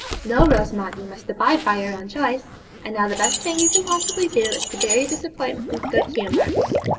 'No, Rosamond; you must abide by your own choice, and now the best thing you can possibly do is to bear your disappointment with good humour.'